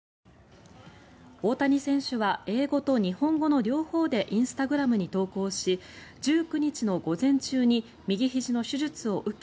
大谷選手は英語と日本語の両方でインスタグラムに投稿し１９日の午前中に右ひじの手術を受け